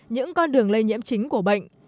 những con đường lây nhiễm chính của bệnh